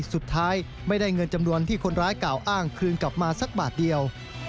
สุดท้ายไม่ได้เงินจำนวนที่คนร้ายกล่าวอ้างคืนกลับมาสักบาทเดียว